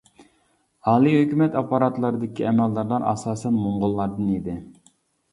ئالىي ھۆكۈمەت ئاپپاراتلىرىدىكى ئەمەلدارلار ئاساسەن موڭغۇللاردىن ئىدى.